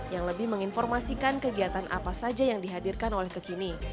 yang lebih menginformasikan kegiatan apa saja yang dihadirkan oleh kekini